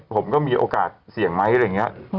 ผมก็มีโอกาสเสี่ยงไหม